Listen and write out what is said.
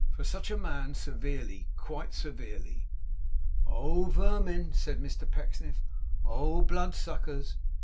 For such a man severely, quite severely. 'Oh, vermin!' said Mr Pecksniff. 'Oh, bloodsuckers!